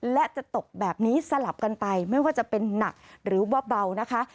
และจะตกแบบนี้สลับกันไปไม่ว่าจะเป็นหนักหรือว่าเบานะคะ